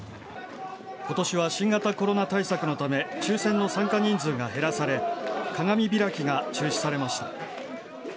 ことしは新型コロナ対策のため、抽せんの参加人数が減らされ、鏡開きが中止されました。